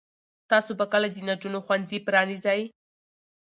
تاسو به کله د نجونو ښوونځي پرانیزئ؟